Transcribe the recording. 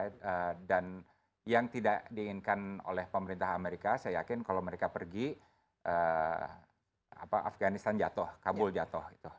dan yang tidak diinginkan oleh pemerintah amerika saya yakin kalau mereka pergi afganistan jatuh kabul jatuh